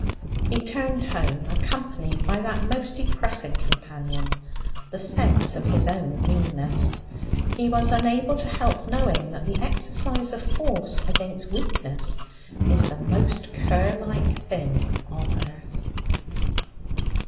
He turned home, accompanied by that most depressing companion the sense of his own meanness. He was unable to help knowing that the exercise of force against weakness is the most cur like thing on earth.